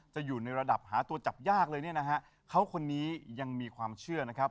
อยู่ในระดับหาตัวจับยากเลยเนี่ยนะฮะเขาคนนี้ยังมีความเชื่อนะครับ